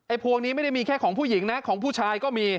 พวงนี้ไม่ได้มีแค่ของผู้หญิงนะของผู้ชายก็มี